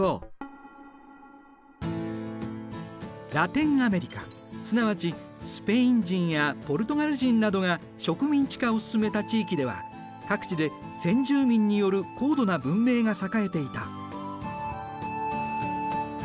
ラテンアメリカすなわちスペイン人やポルトガル人などが植民地化を進めた地域では各地で先住民による高度な文明が栄えていた。